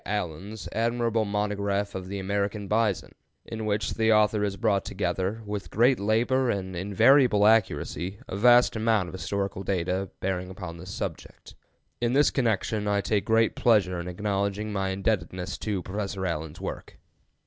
Allen's admirable monograph of "The American Bison," in which the author has brought together, with great labor and invariable accuracy, a vast amount of historical data bearing upon this subject. In this connection I take great pleasure in acknowledging my indebtedness to Professor Allen's work.